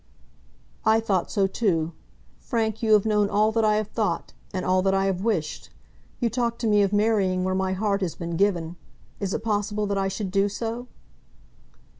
"I thought so too. Frank, you have known all that I have thought, and all that I have wished. You talk to me of marrying where my heart has been given. Is it possible that I should do so?"